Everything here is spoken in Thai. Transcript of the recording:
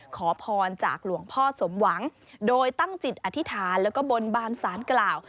ขอพรจากหลวงพ่อสมหวังโดยตั้งจิตอธิษฐานแล้วก็บนบานสารกล่าว